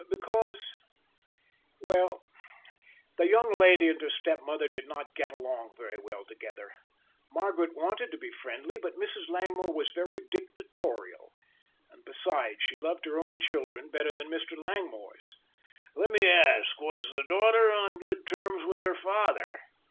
"Because well, the young lady and her stepmother did not get along very well together. Margaret wanted to be friendly, but Mrs. Langmore was very dictatorial, and besides she loved her own children better than Mr. Langmore's." "Let me ask, was the daughter on good terms with her father?"